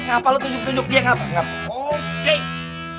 ngapain lu tunjuk tunjuk dia ngapain